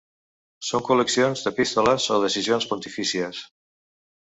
Són col·leccions d'epístoles o decisions pontifícies.